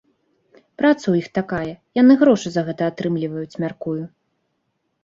Праца ў іх такая, яны грошы за гэта атрымліваюць, мяркую.